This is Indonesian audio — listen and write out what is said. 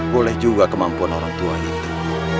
boleh juga kemampuan orang tua itu